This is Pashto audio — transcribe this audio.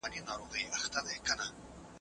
ده د کرکې ژبه نه کاروله.